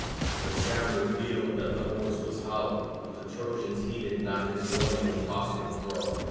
The sound revealed that the horse was hollow, but the Trojans heeded not this warning of possible fraud.